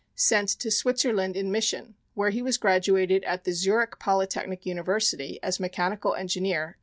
Sent to Switzerland in Mission where he was graduated at the Zurich Polytechnic University as Mechanical Engineer, 1884.